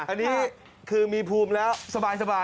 อันนี้คือมีภูมิแล้วสบายเข้าใจได้